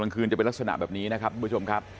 คืนจะเป็นลักษณะแบบนี้นะครับทุกผู้ชมครับ